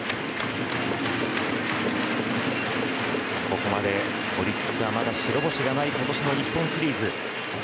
ここまで、オリックスはまだ白星がない今年の日本シリーズ。